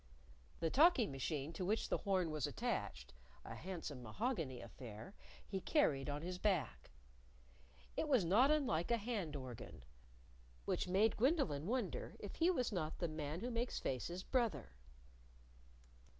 The talking machine to which the horn was attached a handsome mahogany affair he carried on his back. It was not unlike a hand organ. Which made Gwendolyn wonder if he was not the Man Who Makes Faces' brother.